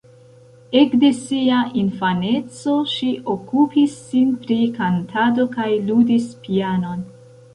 Ekde sia infaneco ŝi okupis sin pri kantado kaj ludis pianon.